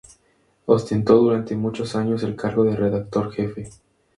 Ostentó durante muchos años el cargo de redactor jefe.